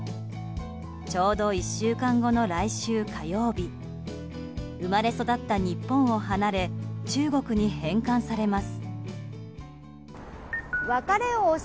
ちょうど１週間後の来週火曜日生まれ育った日本を離れ中国に返還されます。